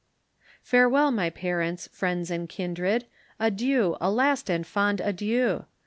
Farewell my parents, friends and kindred, Adieu! a last and fond adieu!